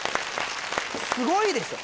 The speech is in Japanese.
すごいでしょう。